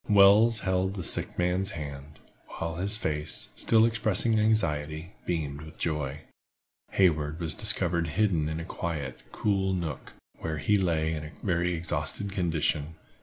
Wells held the sick man's hand, while his face, still expressing anxiety, beamed with joy. Hayward was discovered hidden in a quiet, cool nook, where he lay in a very exhausted condition.